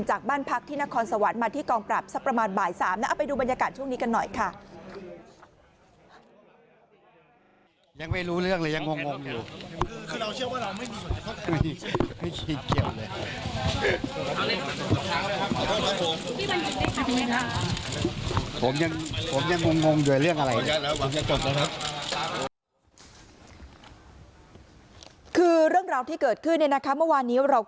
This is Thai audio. จากบ้านพักที่นครสวรรค์มาที่กองปราบสักประมาณบ่ายสามนะ